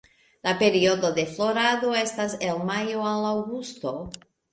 La periodo de florado estas el majo al aŭgusto.